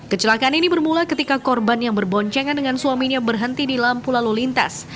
kecelakaan ini bermula ketika korban yang berboncengan dengan suaminya berhenti di lampu lalu lintas